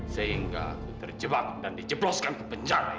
sehingga aku terjebak dan dijebloskan ke penjara ini